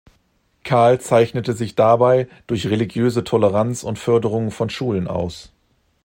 Karl zeichnete sich dabei durch religiöse Toleranz und Förderung von Schulen aus.